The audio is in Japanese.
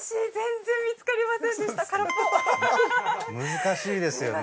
難しいですよね。